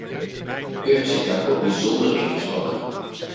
U hebt zich daarvoor bijzonder ingespannen.